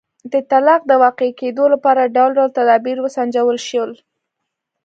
د طلاق د واقع کېدو لپاره ډول ډول تدابیر وسنجول شول.